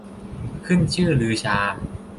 ขึ้นชื่อลือชา